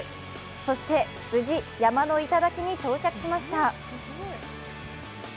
そして無事、山の頂に到着しました。